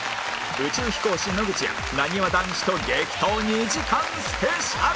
宇宙飛行士野口やなにわ男子と激闘２時間スペシャル